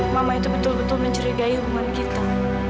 mama itu betul betul mencurigai hubungan kita